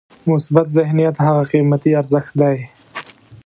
مثبت ذهنیت هغه قیمتي ارزښت دی.